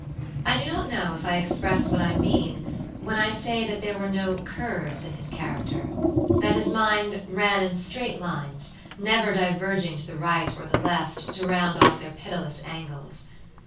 I do not know if I express what I mean, when I say that there were no curves in his characterthat his mind ran in straight lines, never diverging to the right or the left to round off their pitiless angles.